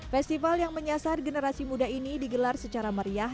festival yang menyasar generasi muda ini digelar secara meriah